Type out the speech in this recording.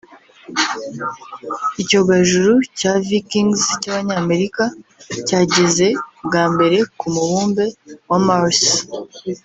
Icyogajuru cya Vikings cy’abanyamerika cyageze bwa mbere ku mubumbe wa Mars